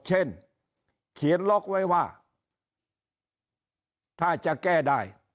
เช่นเขียนล็อกไว้ว่าถ้าจะแก้ได้